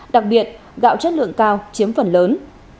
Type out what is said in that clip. đặc biệt gạo chất lượng cao chiếm phần lớn